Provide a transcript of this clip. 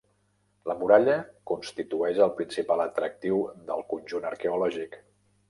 La muralla constitueix el principal atractiu del conjunt arqueològic.